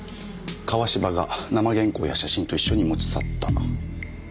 川芝が生原稿や写真と一緒に持ち去った。